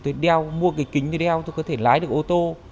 tôi đeo mua cái kính để đeo tôi có thể lái được ô tô